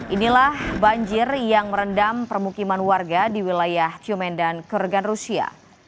inilah banjir yang merendam permukiman warga di wilayah chumen dan korgan rusia